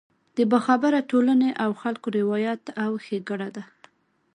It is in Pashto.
د باخبره ټولنې او خلکو روایت او ښېګړه ده.